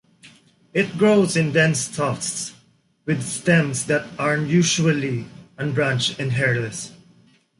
It grows in dense tufts, with stems that are usually unbranched and hairless.